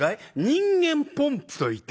人間ポンプといってね